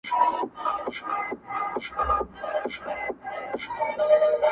o تېغ په جوهر خورک کوي.